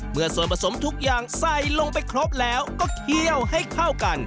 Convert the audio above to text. เมื่อส่วนผสมทุกอย่างใส่ลงไปครบแล้วก็เคี่ยวให้เข้ากัน